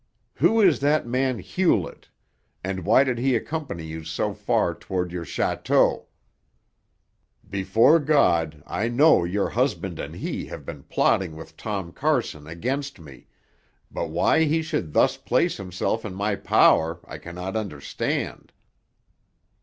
"Who is that man Hewlett, and why did he accompany you so far toward your château? Before God, I know your husband and he have been plotting with Tom Carson against me, but why he should thus place himself in my power I cannot understand."